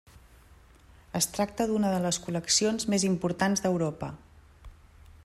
Es tracta d'una de les col·leccions més importants d'Europa.